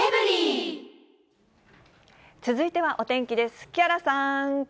続いてはお天気です。